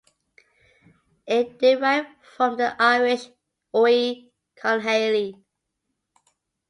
It derived from the Irish 'Ui Conghaile'.